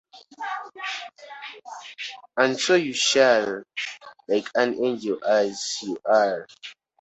And so you shall, like an angel as you are!